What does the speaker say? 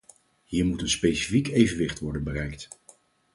Hier moet een specifiek evenwicht worden bereikt.